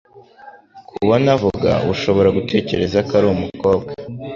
Kubona avuga, ushobora gutekereza ko ari umukobwa.